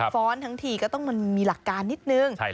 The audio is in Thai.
้อนทั้งทีก็ต้องมันมีหลักการนิดนึง